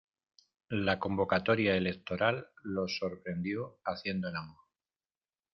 La convocatoria electoral los sorprendió haciendo el amor.